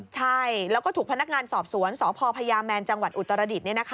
ใช่แล้วก็ถูกพนักงานสอบสวนสพพญาแมนจังหวัดอุตรดิษฐ์